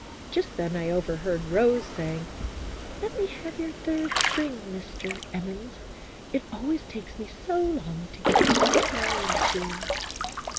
Just then I overheard Rose saying, " Let me have your third string, Mr. Emmons, it always takes me so long to get this guitar in tune."